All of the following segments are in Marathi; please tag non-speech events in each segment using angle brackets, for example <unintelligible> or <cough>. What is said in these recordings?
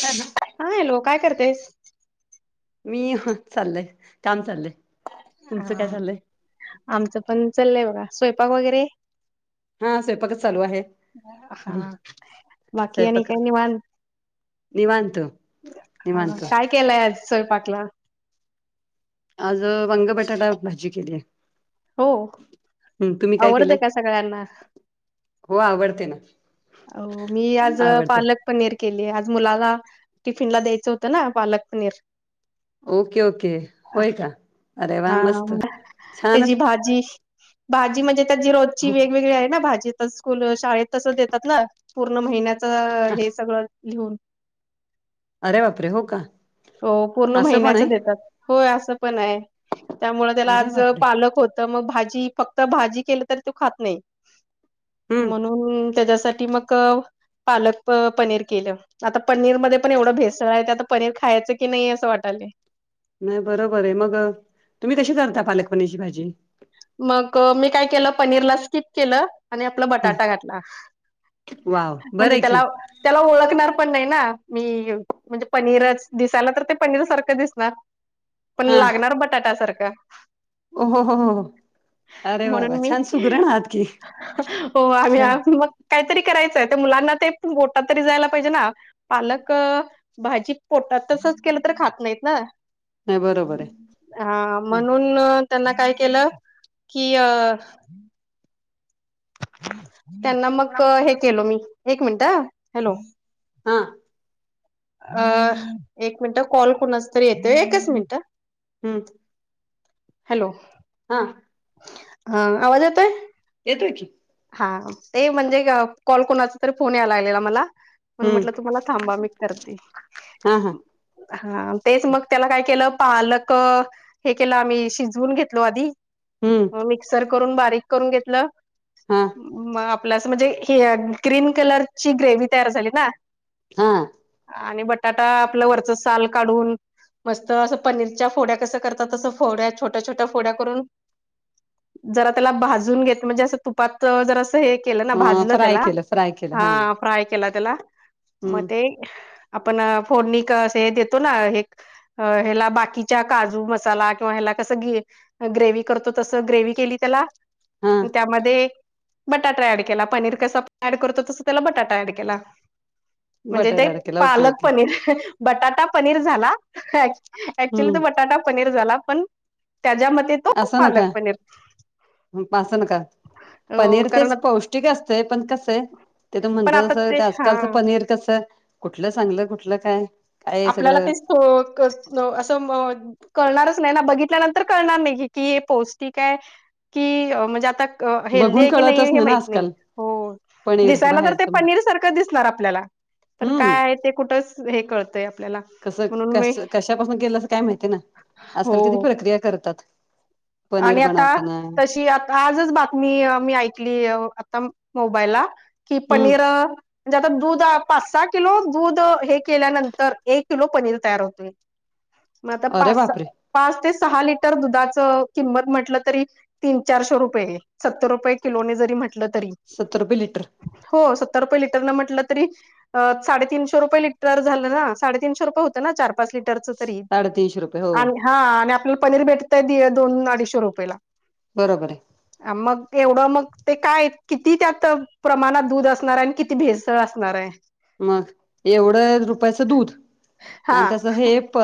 काय झालं. हा हलो, काय करतेस. मी ''हं'' चाललय काम चाललंय तुमचं काय हा, चाललंय आमचं पण चाललंय बघा स्वयंपाक वगैरे. हा, स्वयंपाकच चालू आहे हा, बाकी आणि काय निवान. निवांत निवांत. कायं केलंय आंज स्वयंपाक लां आंज वंग बटाटा भाजी केली आहे हो हम्मं तुम्हीं कायं आवडतं केलंय का सगळ्यांना? हो आवडते नां हो मी आंज पालक पनीर केली आंज मुलांला टिफिन लां द्यायचं होतं नां पालक पनीर ओके ओके होयं कां हां त्यांची भाजी भाजी म्हणजे त्यांची रोजची हो वेगवेगळी आहे नां भाजी तं स्कूंल शाळेत तसं देतांत नां पूर्ण महिन्यांचं हे सगळं लिहूंन अरे वापरे हो कां हो पूर्ण महिन्यांचं देतांत होयं असं पणं आहे त्यामुळं त्यांला अरे आंज बापरे पालक होतं तं अं मंग भाजी फक्तं भाजी केली तरी तो खातं नाहीं हम्म म्हणूनं. तरं- हम्मं त्यांच्यासाठी मगं कवं. - पालक अं पनीरं केलं आतां पनीरमंध्यें पणं एवढं भेसळं आहे, आनता पनीरं. - खायचं कीईअं, नाहीं असं वाटलेअं. - नाहीं अं बरोबरं आहे, मगं तुम्हीं कशी करतां पालकपणीची भाजीं. - मगं मी कायं! केलं पनीरलां स्किंप केलं. - आणि आपलां बटाटा अ घातलां वाव बरं म्हणजे आहे की त्यालां. - त्यांलाअं ओळखणारं पणं नाहीं नां मी, म्हणजे पनीरचं दिसायलां तर्ं ते पनीरं सारखं दिसणारं. - पणां अंक्ष लागणारं अं बटाट्या सारखंअं. - होऊ होऊ होऊ. - म्हणूंन मी की हो आम्हीं छान मगं. - कांहीतंरी करायचंय ते मुलांना ते गोटांंत तरी जायंला पाहिजे नां पालकं. - भाजी पोटातं तसंच केलं तर्ं खातं नाहींत नां. - नाही बरोबर आहे हां म्हणूंन त्यांना कायं केलं. - किं अं. - त्यांना मगं हे केलं मी एक मिनटं हॅलोव. - हांआं. - अंअ एक मिनिटं कॉल कोणाचं तरी येतोयं एकचं मिनिटं. - हम्मं. - हॅलों. - हांअं. - हांअं आवाजं येतयं. - येतोंयं कीं. - हां ते म्हणजे कॉल कोणांचा तरी फोनं यायलां लागलेलां मलां. - म्हणं म्हंटलं हम्म तुम्हांला थांबा मी करते. हा हा - हांअ तेचं मंग त्यालां कांय. केलं पालकं. - हें केलं आंम्ही शिजवूनं घेतलो आंधी. - हम्मं. - हं मिक्संर करूंन, बारीक. -करूंणं घेतं हां आणि म आपलं अस म्हणजे, हं ग्रीन कलरची ग्रेव्ही तयार झाली नां. - हांआं - आणि अं बटाटा आपल्या वरचं सालं काढूनं. - मस्तं असं पनीरच्याअ फोड्या कसं करतातं, तसं फोड्या छोट्यां- छोट्यां फोड्या करूनं. - जरा त्यांलाअ भाजून घेतअ म्हणजे असं तुपातं जर असं हें. - केलं नां भाजलं फ्राय त्यांला केलं फ्राय केलं हा हां फ्राय केलां त्याला मगं हम्म तें. - <unintelligible> आपण फोननिकअ असं हे देतो नां हें. - अं ह्यांला बाकीच्या काजू, मसाला, किंवा ह्याला कसं गेअ. - ग्रेव्ही करतो, तस ग्रेव्ही केली, त्यालां हा त्यामध्येंय. - बटाटा ऍड केला. पनीर कसा ऍड करतो, तसं त्याला बटाटा ऍड केलां. - म्हणजे बटाटा तेंअ केला ओके पालकं ओके पनीरं ह्ह्ं बटाटा पनीर झाला. - <inaudible> ऍक्च्युली तो हम्म बटाटां पनीरं झाला. पण त्याच्यामध्यें. - असां नकां बासनकांअ. - अ पनीरअ कारण तेचं पौष्टिंक असतंय पण कसं आहे. - ते तर्ं पण आता ते महणतातसं आजं हा कालचं पनीर कसं कुठलं चांगलं कुठलं कायं?. - आपल्यालाअ तेस्स्ंत म्ंअ असं. - कळणारचं नाही नां बघितल्यानंतर कणारं नाही कींअ हे पौष्टिक आहे, कींअ म्हणजे आतां. - हं हेल्दी बघून आहे की, नाही कळतच हें ना माहित नाही आजकाल हों. - पनीर दिसायला तरं ते बाहेरचं म्हणजे पनीरं सारखं दिसणारं आपल्याला पण हम्म काय? आहे ते कुठं. - हेअ कळतंय आपल्याला. - कसं कसं कशापासून केलं असं काय माहितीय न हो आजकाल किती प्रक्रिया करतात. पनीर आणि आता बनवताना तशी आ- आजच बातमी मी ऐकली आता मोबाईलला कि हम्म पनीरं. म्हणजे आता दूध पाच सा किलो दूध अ हे केल्यानंतर ए किलो पनीर तयार होतोय. म आता अरे पाच सा बापरे. पाच ते सहा लिटर दुधाचं- किंमत म्हटलं तरी तीन चारशे रुपये ए सत्तर रुपये किलोने जरी म्हटलं तरी. सत्तर रुपये लिटर. हो सत्तर रुपये लिटरं न म्हटलं तरी-. आ साडे तीनशे रुपये लिटर झालं ना साडे तीनशे रुपये होतं ना चार पाच लिटरचं. तरी साडेतीनशे रुपये हो आन् हा आणि आपल्याला पनीर भेटतंय दोन अडीचशे रुपयेला. बरोबरे. आ मग तेवढं मग ते काय किती त्यात प्रमाणात दूध असणाराय आणि किती भेस- त असणाराय. मग एवढं रुपयाच दूध हा आणि त्याचं हे प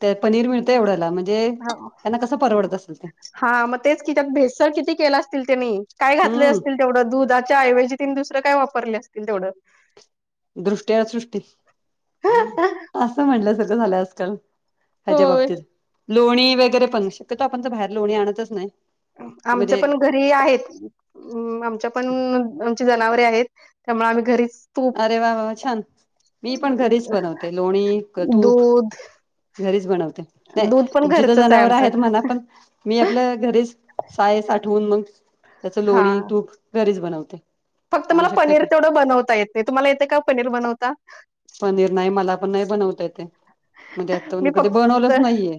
त्यात्- पनीर मिळतं एवढ्याला म्हणजे त्यांना कसं परवडत असंल ते. हा म तेच कि त्यात भेसळ किती केला असतील त्यांनी काय घातले हम्म असतील. तेवढं दुधाच्या ऐवजी तिन् दुसरं काय वापरले असतील तेवढं. दृष्ट्या सृष्टी असं म्हटल्यासारखं झालं आजकाल. ह्याच्या होय बाबतीत लोणी वगैरे पण शक्यतो आपण त बाहेर लोणी आणतच नाही. आमच्या म्हणजे पण घ- हे आहेत अं आमच्या पण आमची जनावरे आहेत त्यामुळे आम्ही घरीच- तूप अरे वा वा वा छान मी पण घरीच बनवते लोणी क तुप. दूध घरीच बनवते नाय दूध पण तुमची त घरचंच आहे जनावर आमचं आहेत म्हणा पण- मी आपल्या घरीच साय साठवून मग त्याच हा लोणी तूप घरीच बनवते. फक्त मला त्यामुळे पनीर शक्यतो तेवढं बनवता येत नाही तुम्हाला येते का पनीर बनवता. पनीर नाही मला पण नाही बनवता येते म् त्यातुन कधी बनवलंच नाहीये.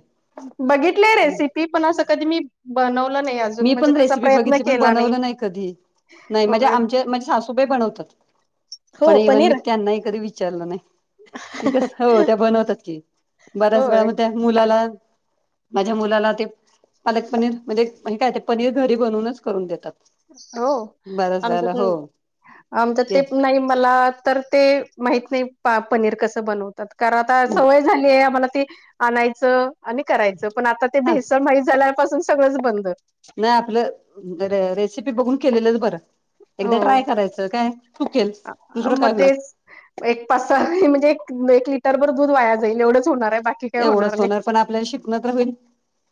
बघितलेय रेसिपी पण असं कधी मी बनवलं नई अजून मी म्हणजे पण तसा रेसिपी प्रयत्न बघितली पण केला नई. बनवलं नाही कधी नाई म्हजे आमचे माई सासु- हुबे बनवतात. पण हो इव्हन मी पनीर त्यांनाई कधी विचारलं नाई, ते कस. हो, त्या बनवतात की, बऱ्याच वेळा होय म त्या मुलाला माझ्या मुलाला ते, पालक पनीर म्हजे म काय ते पनीर घरी बनवूनच करून देतात. हो, बऱ्याच वेळेला आमच्यातन्, हो आमच्या ते नाही मला तर ते, माहित नाही पा, पनीर कसं बनवतात. कारण आता सवय झालीया आम्हाला ती आणायचं आणि करायचं, पण आता ते हा भेसळ माहीत झाल्यापासून सगळंच बंद. नाही आपलं, र, रेसिपी बघून केलेलंच बरं, एकदा ट्राय हो करायचं काय चुकेल दुसरं मग काय व्हईल. तेच एक पासा म्हणजे एक, एक लिटर भर दूध वाया जाईल एवढंच होणार हाय बाकी की काय होणार एवढंच नाही. पण आपल्याला शिकण तर होईल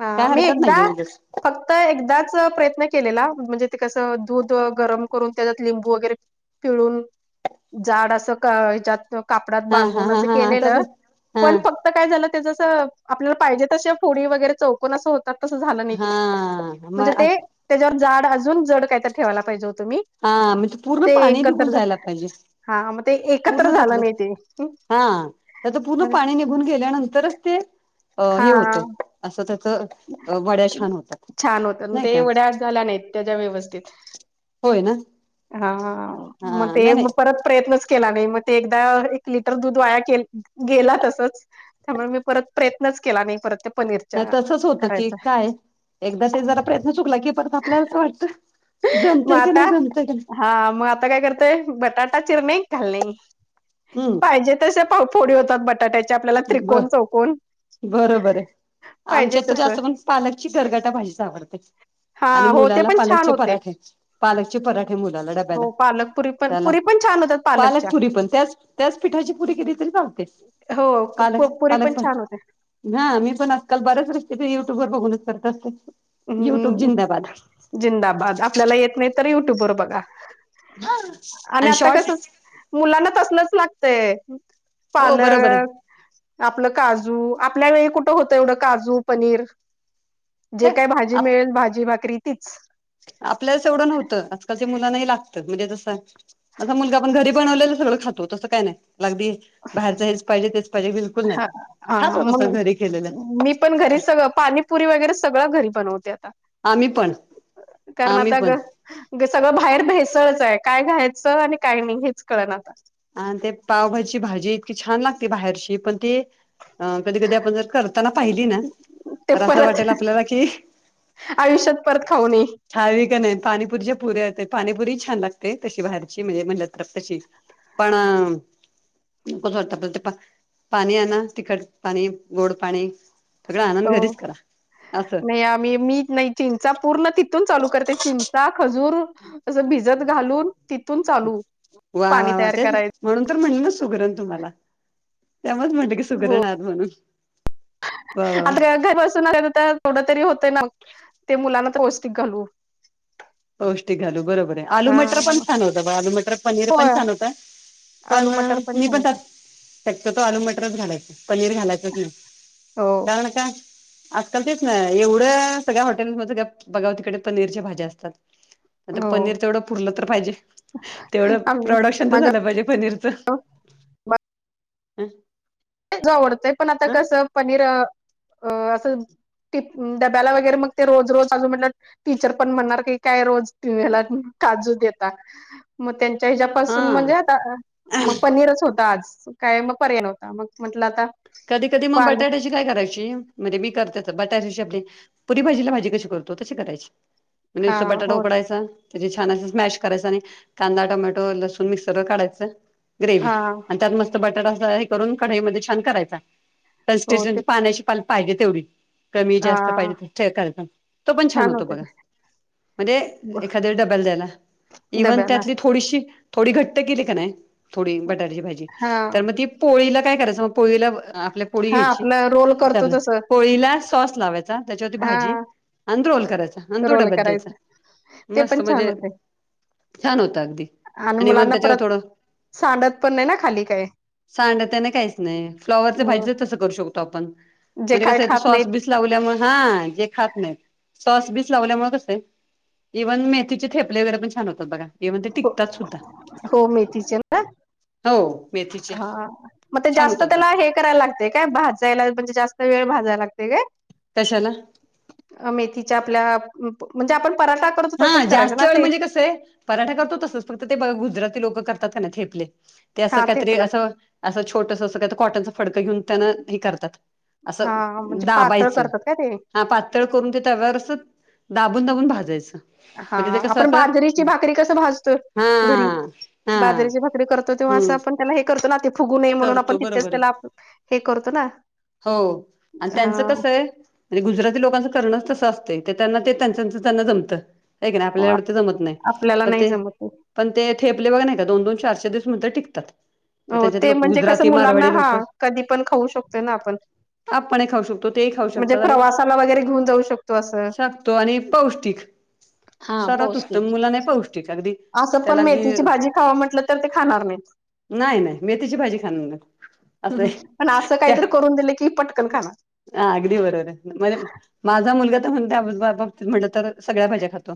हा काय मी हरकत एकदा नाहीये उलट फक्त त, एकदाच प्रयत्न केलेला, म्हणजे ते कसं दूध गरम करून त्याच्यात लिंबू वगैरे पिळून, जाड असं का हयच्यातन कापडात हा हा बांधून हा असं हा हा केलेलं. तसच हा पण फक्त काय झालं ते जसं, आपल्याला पाहिजे तश्या फोडी वगैरे चौकन अस होत तात. तसं झालं नई ते, हा म म्हणजे ते त्येज्यावर जाड अजून जड कायतर ठेवायला पाहिजे होत मी. हा, म ते पूर्ण पाणी नि घुण जायला पायजे. हा मग ते एकत्र पूर्ण झालं त्यातलं नाही ते हा, त्याचं पुर्ण म्हणजे पाणी निघू घुन गेल्यानंतरच ते, अ हे हा होतं असं त्याचं अ, वड्या छान होतात. छान होतात मग नाही ते का. एवढ्या झाल्या नाईत, त्याच्या व्यवस्थित. होय ना. हा म हा ते, नाही नाही म परत प्रयत्नच केला नाही म ते एकदा, एक लिटर दूध वाया केल गेला तसच. त्यामुळं मी परत प्रयत्नच केला नाही परत ते पनीरच्या नाही तसंच होतं की करायचा काय, एकदा ते जरा प्रयत्न चुकला की परत आपल्याला अस वाटत मग जमतय की आता नाही, जमतय की नाही. हा मग, आता काय करताय, बटाटा चिरने घालणे. हम्म पाहिजेत तशा फोडी होतात बटाट्याच्या. जे आपल्याला ब त्रिकोण, चौकोन बरोबर आहे पाहिजे आमच्यात तर तसं. जास्त पण पालकची गरगटा भाजीच आवडते. हा आणि हो ते मुलाला पण छान पालकचे होते पराठे, पालकचे पराठे मुलाला डब्याला. हो पालक पुरी पण त्याला, पुरी पण छान होतात पालकच्या पालकपुरी पण त्याच-त्याच पिठाची पुरी केली तरी चालते. हो क-प पुरी पण छान होते. ह, मी पण आजकाल बऱ्याच रेसिपी युट्यूब वर बघूनच करत असते. युट्यूब हम्म, जिंदाबाद जिंदाबाद. आपल्याला येत नाही तर युट्यूब बरोब बघा, आणि आता कसं मुलांना तसलच लागतय. हो बरोबर पालक आपलं काजू, आपल्या वेळी कुठं होतं एवढं काजू, पनीर. जे आहे काय भाजी मिळेन, भाजी- भाकरी तीच. आपल्या वेळेस एवढं नव्हतं, आजकालच्या मुलांना हे लागतं. म्हणजे जसं माझा मुलगा पण घरी बनवलेल सगळं खातो, तसं काय नाही लागदी. बाहेर हेच पाहिजे तेच पाहिजे बिलकुल नाही, हा हा खातो तो सगळं मग घरी केलेल. मी पण घरी सगळं, पाणीपुरी वगैरे सगळं घरी बनवत्यात. आम्ही पण कारण आम्ही आता पण ग ग सगळं बाहेर भेसळचं हाय, काय घ्यायचं आणि काय नाही, हेच कळना आता. आन ते पावभाजीची भाजी इतकी छान लागते बाहेरची पण ती अ कधी कधी आपण जर करताना पाहिली ना ते तर असं परत वाटेल आपल्याला की आयुष्यात परत खाऊ नये. <unintelligible> क नयी पाणीपुरीच्या पुऱ्या ते पाणीपुरीही छान लागते तशी बाहेरची म्हणजे म्हणलं तर तशी. पण अ नकोच वाटत आपल्याल ते पा, पाणी आना तिखट पाणी, गोड पाणी. सगळा आनंद हो, घरीच करा. असं नाही आम्ही मी नाही चिंचा पूर्ण तिथून चालू करतें चिं चा, खजूर अस भिजत घालून तिथून चालू, वा पाणी वा वा तयार तेच कराय म्हणून तर म्हणलं ना सुगरण तुम्हाला, त्यामुळेच म्हटलं कि सुगरण आहात म्हणून. वा वा वा आत्र घरी बसून आल्यानंतर तोंडात तरी हे होतय ना मग ते मुलांना तर पौष्टिक घालू. पौष्टिक घालू बरोबर आहे आलू हा मटर पण छान होतं, बा आलू मटर पनीर पण होय छान होत. आलू पण अ मटर मी छान पण होते त्यात शक्यतो आलू मटरच घालायचं, पनीर घालायचंच नाही हो कारण का आजकाल तेच ना एवढं सगळ्या हॉटेल्समध्ये सगळ्या बघाव तिकडे पनीरच्या भाज्या असतात. आता हो पनीर तेवढं पुरलं तर पाहिजे, तेवढं आम्ही प्रोडक्शन तर माझ्या झालं पाहिजे पनीरचं. ज आवडतंय पण आता ह कसं पनीर अ अ अस टिफ डब्याला वगैरे मग ते रोज रोज अजून म्हटलं टिचर पण म्हणणार की काय रोज तुम्ही ह्याला काजू देता. मग त्यांच्या हा ह्याच्यापासून म्हणजे आता मग पनीरच होता आज काय मग पर्याय नव्हता मग म्हटलं आता कधी-कधी मग पाल बटाट्याची काय करायची म्हणजे मी करते आता बटाट्याची आपली पुरी भाजीला भाजी कशी करतो तशी करायची. हा नुसता बटाटा हो उकडायचा त्याची छान असच मॅश करायचं आणि कांदा, टोमॅटो, लसूण मिक्सर वर काढायचं. ग्रेव्ही, हा आणि त्यात मस्त बटाटा फ्राय करून कढईमध्ये छान करायचा. त्या हो ते स्टेशनची पाण्याची पाल पाहिजे तेवढी कमी हा जास्त पाहिजेत तर चेक करायचा, तो पण छान होतो होते बघा. ते म्हणजे एखाद्या डब्याला द्यायला इव्हन डब्याला त्यातली थोडीशी थोडी घट्ट केली क नाय, थोडी बटाट्याची भाजी हा तर मग ती पोळीला काय करायचं मग पोळीला आपल्या पोडी हा घ्यायची आपलं रोल करतो तस <unintelligible> पोळीला सॉस लावाय चा त्याच्यावरती हा भाजी आन तो रोल करायचा आन तो रोल डब्यात द्यायचा. करायचं ते पण मस्त छान म्हणजे होतय. छान होतं अगदी आणि मग मुलांना त्याच्यावर परत थोडं सांडत पण नाही ना खाली काय. सांडत नाय काहीच नाही फ्लॉवरच्या भाजी तसं करू शकतो आपण जे म्हणजे काय कसय ते खात सॉस नाहीत बीस लावल्यामुळे हा जे खात नाहीत, सॉस-बीस लावल्यामुळे कसय इव्हन मेथीचे थेपले वगैरे पण छान होतात बघा, इव्हन ते टिकतात सुद्धा. हो मेथीचे ना हो मीच हा म ते जास्त त्याला हे करायला लागतय काय, भाजायला म्हणजे जास्त वेळ भाजायला लागतय काय? कशाला? अ मेथीच्या आपल्या प म्हणजे आपण पराठा करतो हा तसंच करायचं जास्त ना वेळ ते म्हणजे कसय पराठा करतो तसच फक्त ते ब गुजराती लोक करतात क नाय थेपले ते असं हा काहीतरी थेपला असं असं छोटस असं काय तर कॉटनच फडकं घेऊन त्यान हे करतात. असं हा म्हणजे पातळ दाबायचं, करतात का ते हा पाच पातळ करून ते तव्यावर असं दाबून दाबून भाजायचं. हा म्हणजे ते कसं आपण असं बाजरीची भाकरी कसं भाजतो घरी हा हा बाजरीची भाकरी करतो तेव्हा असं हम्म आपण त्याला हे करतो ना ते फुगू नये म्हणून आपण करतो तिथेच बरोबर आहे त्याला हे करतो ना. हो, आणि हा त्यांचं कसं आहे आणि गुजराती लोकांचं करणंच तसं असतंय तर त्यांना ते त्यांच त्यांच जमतं. ऐ कनी आपल्याला एवढं ते जमत नाही आपल्याला पण नाही ते जमत पण ते थेपले बघा नाही का दोन-दोन चार-चार दिवस मात्र टिकतात. तर हो त्यांच्यात ते लोक म्हणजे गुजराती कसं मुलांना मारवाडी हा लोक कधी पण खाऊ शकतोय ना आपण. आपणही खाऊ शकतो तेही खाऊ म्हणजे शकतात आणि प्रवासाला वगैरे घेऊन जाऊ शकतो असं शकतो आणि पौष्टिक. हा सर्वात पौष्टिक उत्तम मुलांनाही पौष्टिक अगदी. असं पण त्याला अगदी मेथीची भाजी खावां म्हटलं तर ते खाणार नाहीत. नाही नाही मेथीची भाजी खाणार नाहीत. ह पण असं काहीतरी करून दिलं की पटकन खाणार. आ अगदी बरोबर आहे, म्हणजे माझा मुलगा तर म्हणता त्या बाबतीत म्हटलं तर सगळ्या भाज्या खातो.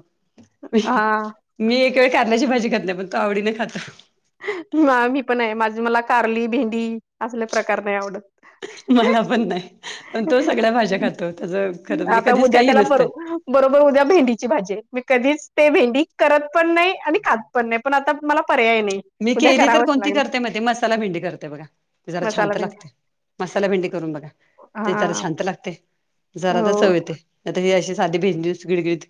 हा मी एक वेळ कारल्याची भाजी खात नाही पण तो आवडीने खातो. मी पण नाही, माझ मला कारली, भेंडी असले प्रकार नाही आवडत. मला पण नाही पण तो सगळ्या भाज्या खातो त्याचं खरं म्हणजे आता कधीच उद्या काही त्याला बरो नसतं बरोबर उद्या भेंडीची भाजी आहे, मी कधीच ते भेंडी करत पण नाही आणि खात पण नाही पण आता मला पर्याय नाही. मी उद्या केली तर करावंच कोणती लागणार करते माहीतयं मसाला भिंडी करते बघा ती जरा छांन मसाला तर भेंडी लागते. मसाला भेंडी करून बघा ती हा जरा छांन तर लागते. जरा तर हो चव येते नाहीतर हे अशी साधी भेंडी गिळगिळीत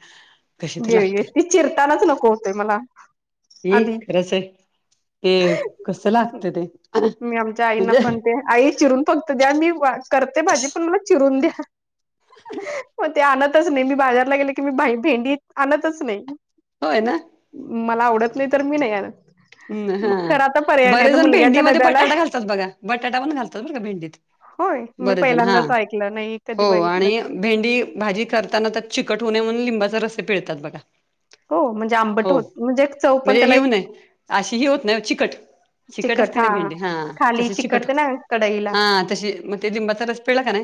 कशीतर गिळगी लागते, ती चिरतानाच नको होतय मला हे आधी खरंच आहे. ते कसं लागतं ते, मी आमच्या आईना पण म्हणजे ते आई चिरून फक्त द्या, मी करते भाजी पण मला चिरून द्या. मग ते आणतच नाही मी बाजारला गेले की मी भा भेंडी आणतंच नाही. होय ना. मला आवडत नाही तर मी नाही आणत. हम मग हा खरं आता पर्याय नाही आता बरेचजण मुलग्याच्या भेंडीमध्ये डब्याला बटाटा घालतात बघा बटाटा पण घालतात बरं का भेंडीत. होय, मी बरेच जण हा पहिल्यांदाच ऐकलं नाही कधी हो, बघितलं आणि भेंडी भाजी करताना त्यात चिकट होऊ नये म्हणून लिंबाचा रसही पिळतात बघा. हो म्हणजे आंबट हो होत म्हणजे एक चव पण म्हणजे त्याला हे होऊ एक नये अशी ही होत नाही ओ चिकट, चिकट असते ना भेंडी हा खाली तसे चिकट चिकटते ना कढईला हा तशी मग ते लिंबाचा रस पिळला का नाही